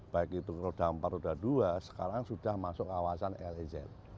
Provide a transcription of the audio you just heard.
baik itu kerudam peruda dua sekarang sudah masuk kawasan lez